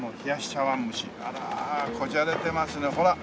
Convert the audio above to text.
こじゃれてますねほら。